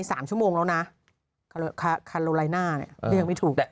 คารโลไลน่าเนี่ยเรียกไม่ถูก